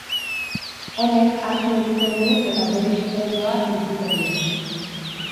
Honek, hartu egiten du eta bere istorioa entzuten du.